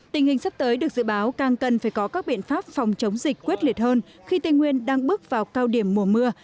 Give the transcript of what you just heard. tình hình sắp tới được dự báo càng cần phải có các biện pháp phòng chống dịch quyết liệt hơn khi tây nguyên đang bước vào cao điểm mùa mưa